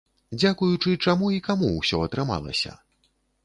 Дзякуючы чаму і каму ўсё атрымалася?